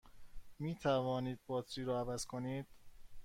می توانید باتری را عوض کنید؟